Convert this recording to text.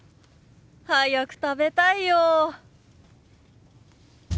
早く食べたいよ。